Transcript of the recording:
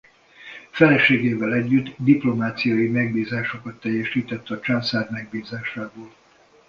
Feleségével együtt diplomáciai megbízásokat teljesített a császár megbízásából.